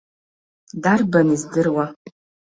Дарбан издыруа.